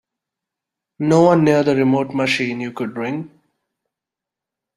No one near the remote machine you could ring?